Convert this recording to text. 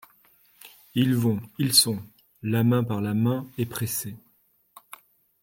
Ils vont, ils sont ! La main par la main est pressée ;